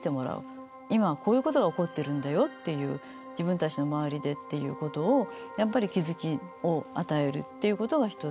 「今はこういうことが起こってるんだよ」っていう「自分たちの周りで」っていうことをやっぱり気づきを与えるっていうことが一つ。